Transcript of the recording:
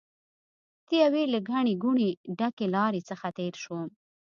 د یوې له ګڼې ګوڼې ډکې لارې څخه تېر شوم.